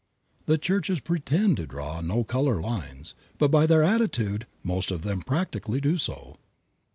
The churches pretend to draw no color lines, but by their attitude most of them practically do so.